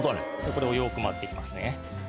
これをよく混ぜて行きますね。